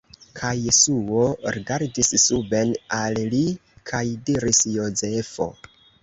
Kaj Jesuo rigardis suben al li, kaj diris: "Jozefo...